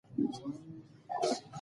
زموږ ژبه د مطالعې ښه وسیله ده.